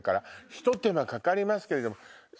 ひと手間かかりますけれども。